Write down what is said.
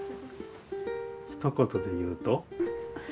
ひと言で言うと？